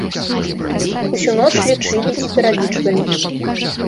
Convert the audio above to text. Усю ноч лічылі і пералічвалі.